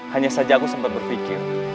hanya saja aku sempat berpikir